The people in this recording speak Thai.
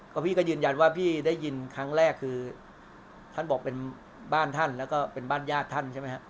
ก็พี่ก็ยืนยันว่าพี่ได้ยินครั้งแรกคือท่านบอกเป็นบ้านท่านแล้วก็เป็นบ้านญาติท่านใช่ไหมครับ